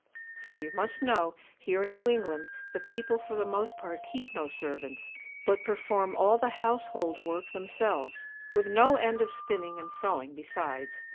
For you must know, here in New England the people for the most part keep no servants, but perform all the household work themselves, with no end of spinning and sewing besides.